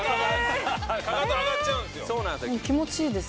かかと上がっちゃうんですよ